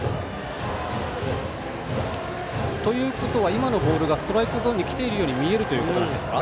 今のボールがストライクゾーンに来ていると見えるということなんでしょうか。